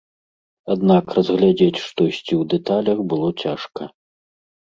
Аднак разглядзець штосьці ў дэталях было цяжка.